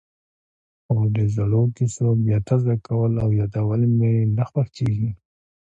خو د زړو کېسو بیا تازه کول او یادول مې نه خوښېږي.